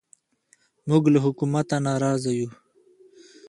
موږ له حکومته نارازه یو